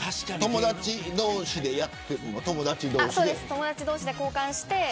友達同士で交換して。